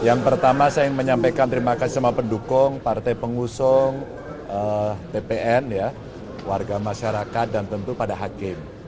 yang pertama saya ingin menyampaikan terima kasih sama pendukung partai pengusung tpn warga masyarakat dan tentu pada hakim